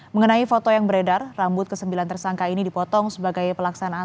mengenai foto yang beredar rambut ke sembilan tersangka ini dipotong sebagai pelaksanaan